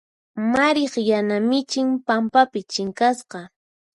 Mariq yana michin pampapi chinkasqa.